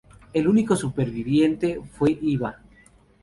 El único superviviente fue Iba.